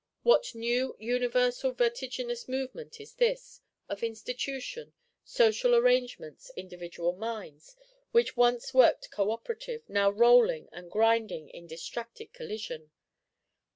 What new universal vertiginous movement is this; of Institution, social Arrangements, individual Minds, which once worked cooperative; now rolling and grinding in distracted collision?